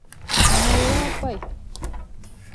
— Менәүәрә апай!